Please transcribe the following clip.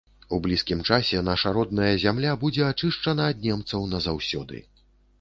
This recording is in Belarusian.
У блізкім часе наша родная зямля будзе ачышчана ад немцаў назаўсёды.